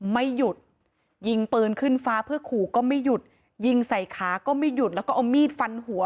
ไม่หยุดยิงปืนขึ้นฟ้าเพื่อขู่ก็ไม่หยุดยิงใส่ขาก็ไม่หยุดแล้วก็เอามีดฟันหัว